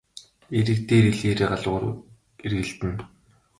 Эрэг дээр элээ хэрээ галуу гурав эргэлдэнэ.